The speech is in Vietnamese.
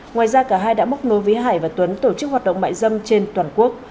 ngoài ra cả hai đã bốc nối với hải và tuấn tổ chức hoạt động mại dâm trên toàn quốc